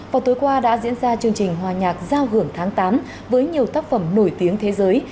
vào tối qua đã diễn ra chương trình hòa nhạc giao hưởng tháng tám với nhiều tác phẩm nổi tiếng thế giới